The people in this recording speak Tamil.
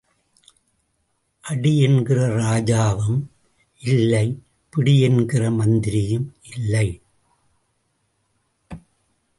அடி என்கிற ராஜாவும் இல்லை பிடி என்கிற மந்திரியும் இல்லை.